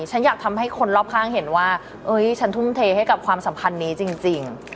ฉันอยากทำให้คนรอบข้างเห็นว่าฉันทุ่มเทให้กับความสัมพันธ์นี้จริง